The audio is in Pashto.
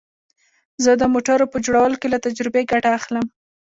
زه د موټرو په جوړولو کې له تجربې ګټه اخلم